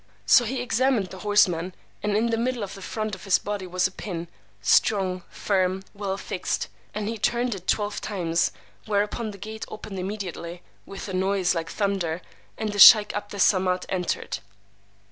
So he examined the horseman, and in the middle of the front of his body was a pin, strong, firm, well fixed; and he turned it twelve times; whereupon the gate opened immediately, with a noise like thunder; and the sheykh 'Abd Es Samad entered.